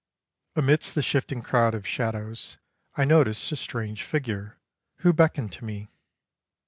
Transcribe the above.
Amidst the shifting crowd of shadows I noticed a strange figure, who beckoned to me.